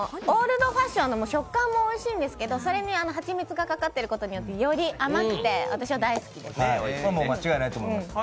オールドファッションの食感もおいしいんですけど、それに蜂蜜がかかってることによって、より甘くて私は大好きです。